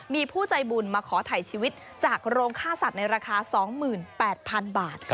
มีผู้ใจบุญมาขอถ่ายชีวิตจากโรงค่าสัตว์ในราคา๒๘๐๐๐บาท